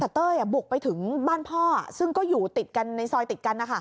แต่เต้ยบุกไปถึงบ้านพ่อซึ่งก็อยู่ติดกันในซอยติดกัน